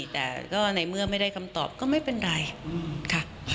แต่ก็ในเมื่อไม่ได้คำตอบก็ไม่เป็นไรค่ะ